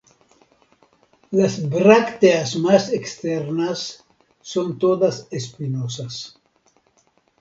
Las brácteas más externas son todas espinosas.